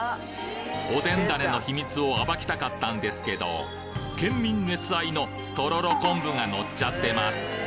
おでん種の秘密を暴きたかったんですけど県民熱愛のがのっちゃってます！